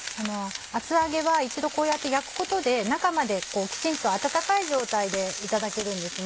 厚揚げは一度こうやって焼くことで中まできちんと温かい状態でいただけるんですね。